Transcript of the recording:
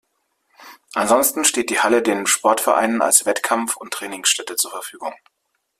Ansonsten steht die Halle den Sportvereinen als Wettkampf- und Trainingsstätte zur Verfügung.